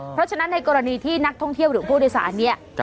เพราะฉะนั้นในกรณีที่นักท่องเที่ยวหรือผู้โดยสารเนี่ย